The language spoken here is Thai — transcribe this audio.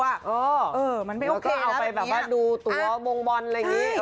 อู๋และก็เอาไปดูตัวตัวมงวันอะไรอย่างนี้